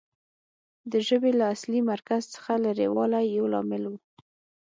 د ژبې له اصلي مرکز څخه لرې والی یو لامل و